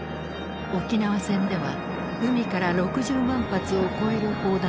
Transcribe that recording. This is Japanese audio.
沖縄戦では海から６０万発を超える砲弾を発射。